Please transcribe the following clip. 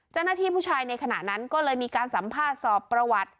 เจ้าหน้าที่ผู้ชายในขณะนั้นก็เลยมีการสัมภาษณ์สอบประวัติ